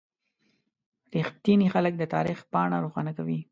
• رښتیني خلک د تاریخ پاڼه روښانه کوي.